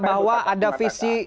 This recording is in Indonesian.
bahwa ada visi